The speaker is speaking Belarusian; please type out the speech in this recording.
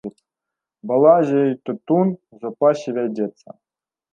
Балазе й тытун у запасе вядзецца.